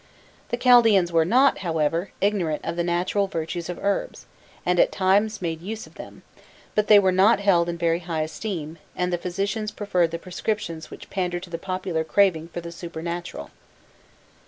The Chaldaeans were not, however, ignorant of the natural virtues of herbs, and at times made use of them; but they were not held in very high esteem, and the physicians preferred the prescriptions which pandered to the popular craving for the supernatural.